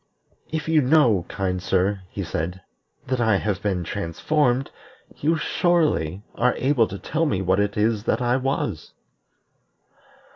"If you know, kind sir," he said, "that I have been transformed, you surely are able to tell me what it is that I was."